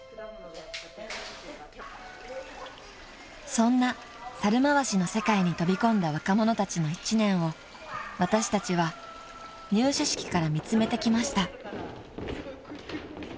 ［そんな猿回しの世界に飛び込んだ若者たちの１年を私たちは入社式から見詰めてきました］